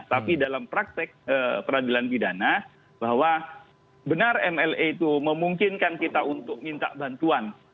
tapi dalam praktek peradilan pidana bahwa benar mla itu memungkinkan kita untuk minta bantuan